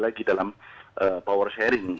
lagi dalam power sharing